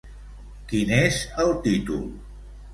Quin és el títol?